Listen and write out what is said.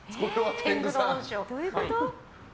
どういうこと？